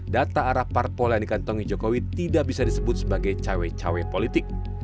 data arah parpol yang dikantongi jokowi tidak bisa disebut sebagai cawe cawe politik